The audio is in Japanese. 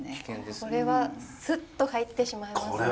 これはスッと入ってしまいますね。